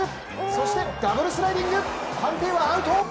そしてダブルスライディング判定はアウト！